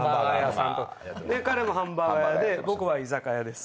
彼もハンバーガー屋で僕は居酒屋です。